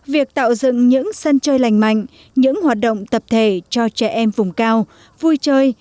việc tạo dựng những sân chơi lành mạnh những hoạt động tập thể cho trẻ em vùng cao vui chơi